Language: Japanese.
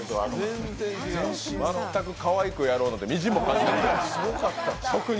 全くかわいくやろうなんてみじんも感じなかった、職人。